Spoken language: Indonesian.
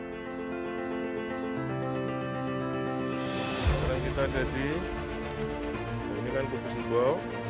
sekarang kita ada di putus ibau